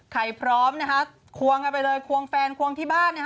ใครพร้อมนะคะควงกันไปเลยควงแฟนควงที่บ้านนะคะ